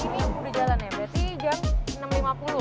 ini berjalan ya berarti jam enam lima puluh